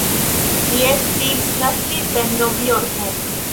Li estis naskita en Novjorko.